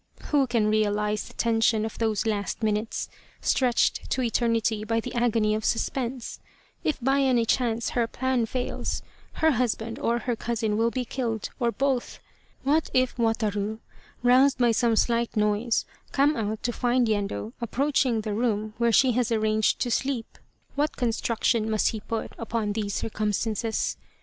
Who can realize the tension of those last minutes, stretched to eternity by the agony of suspense ? If by any chance her plan fails, her husband or her cousin will be killed, or both. What if Wataru, roused by some slight noise, come out to find Yendo approaching the room where she has arranged , to sleep ; what construction must he put upon these circumstances.